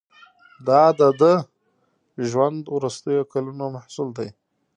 دا د ده ژوند وروستیو کلونو محصول دی.